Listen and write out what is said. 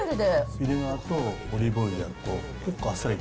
ビネガーとオリーブオイルで結構あっさりと。